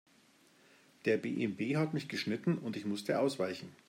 Der BMW hat mich geschnitten und ich musste ausweichen.